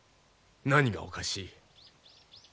何がおかしい？